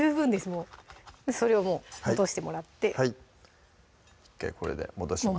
もうそれをもう戻してもらって１回これで戻します